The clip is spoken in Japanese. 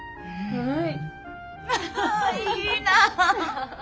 はい。